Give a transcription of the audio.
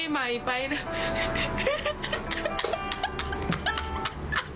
ใหม่ไปนะ